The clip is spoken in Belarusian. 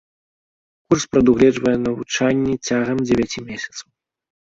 Курс прадугледжвае навучанне цягам дзевяці месяцаў.